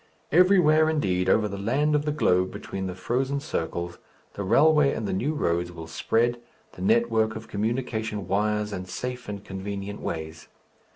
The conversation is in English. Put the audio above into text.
Everywhere, indeed, over the land of the globe between the frozen circles, the railway and the new roads will spread, the net work of communication wires and safe and convenient ways.